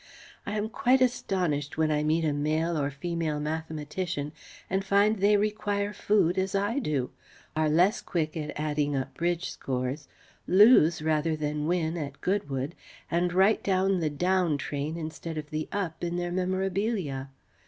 I am quite astonished when I meet a male or female mathematician and find they require food as I do, are less quick at adding up bridge scores, lose rather than win at Goodwood, and write down the "down" train instead of the "up" in their memorabilia.